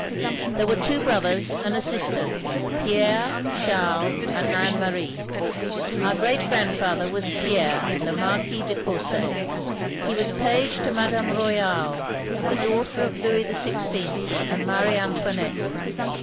"There were two brothers and a sister; Pierre, Charles, and Anne Marie. Otir great grandfather was Pierre, the Marquis de Cotirset. He was page to Madame Royale, the daughter of Louis XVI and Marie Antoinette.